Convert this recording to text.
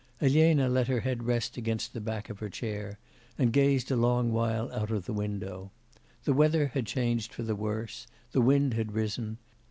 Elena let her head rest against the back of her chair, and gazed a long while out of the window. The weather had changed for the worse; the wind had risen.